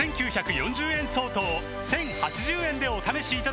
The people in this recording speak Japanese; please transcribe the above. ５９４０円相当を１０８０円でお試しいただけます